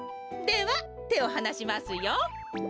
ではてをはなしますよ。